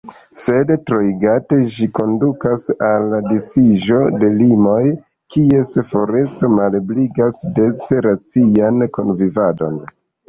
Sed, troigate, ĝi kondukas al disiĝo de limoj, kies foresto malebligas dece racian kunvivadon.